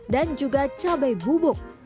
dan juga cabai bubuk